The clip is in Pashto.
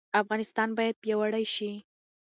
افغانستان باید پیاوړی شي.